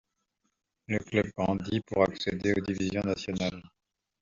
Le club grandit pour accéder aux divisions nationales.